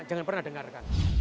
jangan pernah dengarkan